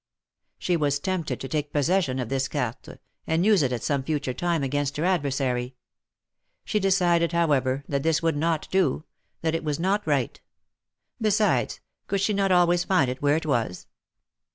She was tempted to take possession of this carte, and use it at some future time against her adversary. She decided, however, that this would not do — that it was not right. Besides, could she not always find it where it was?